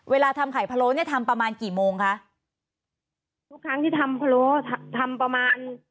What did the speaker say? เวลาทำไข่พะโล้เนี้ยทำประมาณกี่โมงคะทุกครั้งที่ทำพะโล้ทำประมาณ